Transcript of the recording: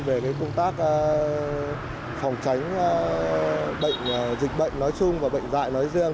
về cái công tác phòng tránh dịch bệnh nói chung và bệnh dại nói riêng